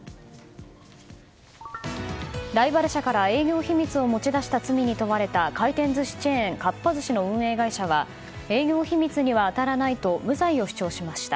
ライバル社から営業秘密を持ち出した罪に問われた回転寿司チェーンかっぱ寿司の運営会社は営業秘密には当たらないと無罪を主張しました。